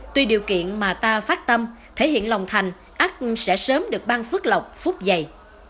tuy điều kiện mà ta phát tâm thể hiện lòng thành ác sẽ sớm được băng phức lọc phúc dày